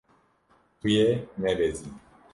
Tu yê nebezî.